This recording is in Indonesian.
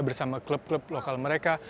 bersama klub klub lokal mereka